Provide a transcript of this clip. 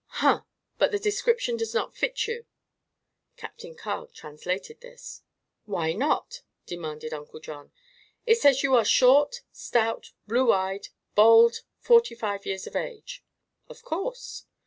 "Huh! But the description does not fit you." Captain Carg translated this. "Why not?" demanded Uncle John. "It says you are short, stout, blue eyed, bald, forty five years of age." "Of course."